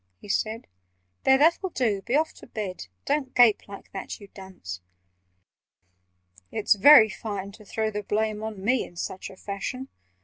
he said. "There, that'll do—be off to bed! Don't gape like that, you dunce!" "It's very fine to throw the blame On me in such a fashion!